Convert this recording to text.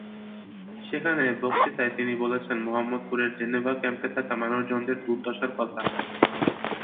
সেখানে বক্তৃতায় তিনি বলেছেন মোহাম্মদপুরের জেনেভা ক্যাম্পে থাকা মানুষজনদের দুর্দশার কথা।